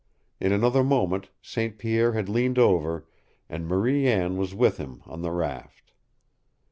In another moment St. Pierre had leaned over, and Marie Anne was with him on the raft.